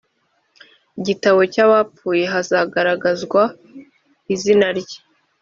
gitabo cy abapfuye hagaragazwa izina rye